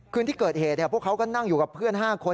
คืนที่เกิดเหตุพวกเขาก็นั่งอยู่กับเพื่อน๕คน